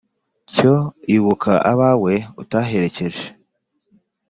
Cyo ibuka abawe utaherekeje